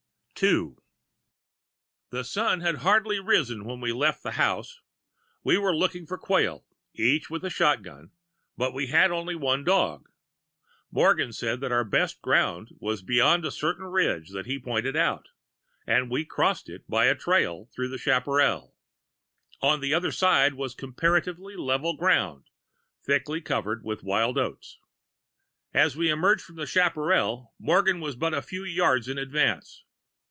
II "...The sun had hardly risen when we left the house. We were looking for quail, each with a shotgun, but we had only one dog. Morgan said that our best ground was beyond a certain ridge that he pointed out, and we crossed it by a trail through the chaparral. On the other side was comparatively level ground, thickly covered with wild oats. As we emerged from the chaparral, Morgan was but a few yards in advance.